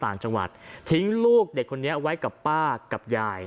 ต่างจังหวัดทิ้งลูกเด็กคนนี้ไว้กับป้ากับยาย